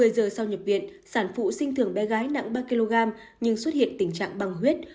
một mươi giờ sau nhập viện sản phụ sinh thường bé gái nặng ba kg nhưng xuất hiện tình trạng băng huyết